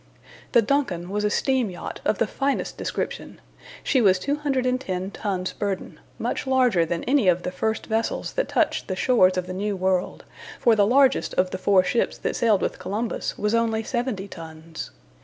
The DUNCAN was a steam yacht of the finest description. She was 210 tons burden much larger than any of the first vessels that touched the shores of the New World, for the largest of the four ships that sailed with Columbus was only 70 tons.